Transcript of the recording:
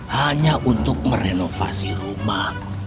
hanya untuk merenovasi rumah